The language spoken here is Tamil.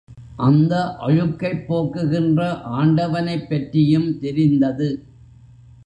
அந்த அழுக்கைப் போக்குகின்ற ஆண்டவனைப் பற்றியும் தெரிந்தது.